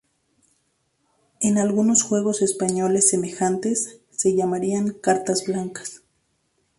En algunos juegos españoles semejantes, se llamaría "cartas blancas".